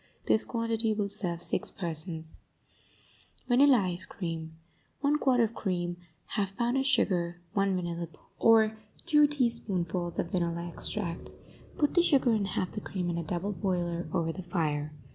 This quantity will serve six persons, VANILLA ICE CREAM 1 quart of cream 1/2 pound of sugar 1 vanilla bean or two teaspoonfuls of vanilla extract Put the sugar and half the cream in a double boiler over the fire.